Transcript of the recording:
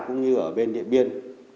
cũng như ở bên địa biên